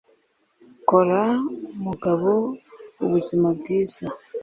kora umugabo ubuzima bwiza,